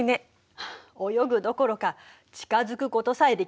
泳ぐどころか近づくことさえできないわね。